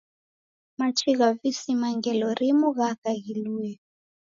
Machi gha visima ngelo rimu ghaka ghilue.